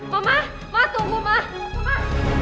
mama mama tunggu mama